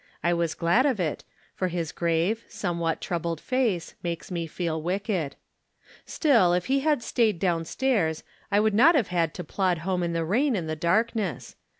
I was glad of it, for his grave, somewhat troubled face, makes me feel wicked. StiU, if he had staid down stairs, I would not have had to plod home in the rain and the darkness.